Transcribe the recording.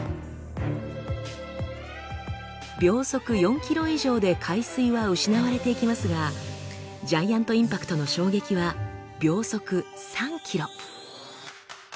秒速４ｋｍ以上で海水は失われていきますがジャイアント・インパクトの衝撃は秒速３ｋｍ。